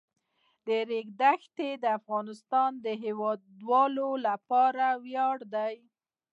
د ریګ دښتې د افغانستان د هیوادوالو لپاره ویاړ دی.